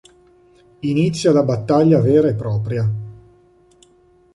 Inizia la battaglia vera e propria.